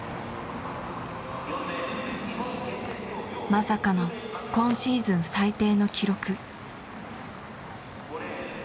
まさかの今シーズン最低の記録。